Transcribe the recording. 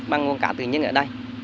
bằng nguồn cá tự nhiên ở đây